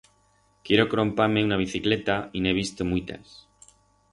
Quiero crompar-me una bicicleta y n'he visto muitas.